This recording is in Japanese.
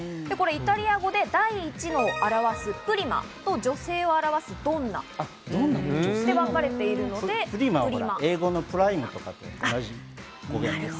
イタリア語で第一のを表すプリマと、女性を表すドンナでわかれているので、プリマ。